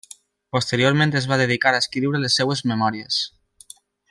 Posteriorment es va dedicar a escriure les seves memòries.